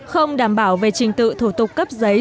không đảm bảo về trình tự thủ tục cấp giấy